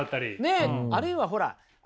あるいはほら